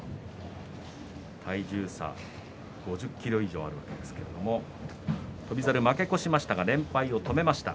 体重差５０ｋｇ以上あるんですけれども翔猿は負け越しましたが連敗を止めました。